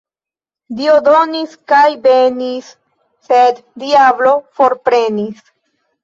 Dio donis kaj benis, sed diablo forprenis.